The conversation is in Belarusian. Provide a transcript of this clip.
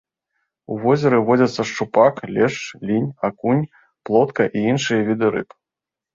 У возеры водзяцца шчупак, лешч, лінь, акунь, плотка і іншыя віды рыб.